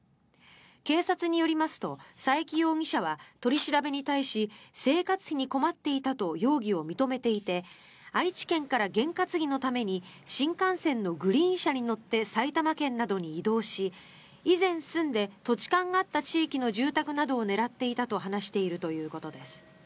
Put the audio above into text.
警察によりますと佐伯容疑者は取り調べに対し生活費に困っていたと容疑を認めていて愛知県からげん担ぎのために新幹線のグリーン車に乗って埼玉県などに移動し以前住んで土地勘があった地域の住宅などを狙っていたと話しているということです。